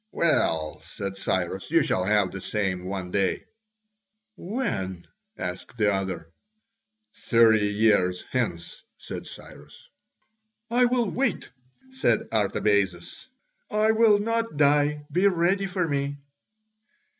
"Well," said Cyrus, "you shall have the same one day." "When?" asked the other. "Thirty years hence," said Cyrus. "I will wait," said Artabazus: "I will not die: be ready for me."